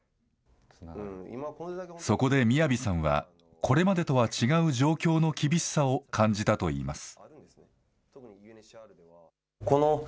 そこでＭＩＹＡＶＩさんは、これまでとは違う状況の厳しさを感じたといいます。